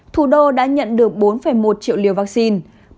thủ đô đã nhận được bốn một triệu liều vaccine